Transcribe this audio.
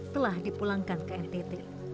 telah dipulangkan ke ntt